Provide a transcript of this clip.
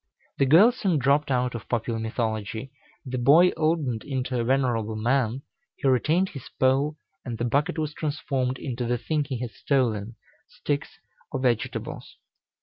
The girl soon dropped out of popular mythology, the boy oldened into a venerable man, he retained his pole, and the bucket was transformed into the thing he had stolen sticks or vegetables.